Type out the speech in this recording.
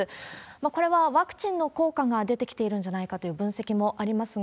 これはワクチンの効果が出てきているんじゃないかという分析もありますが、